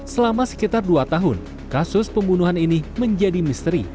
selama sekitar dua tahun kasus pembunuhan ini menjadi misteri